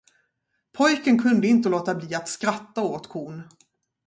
Pojken kunde inte låta bli att skratta åt kon.